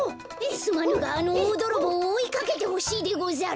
すまぬがあのおおどろぼうをおいかけてほしいでござる。